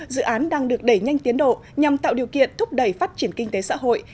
dự án đang được đẩy nhanh tiến độ nhằm tạo điều kiện thúc đẩy phát triển kinh tế xã hội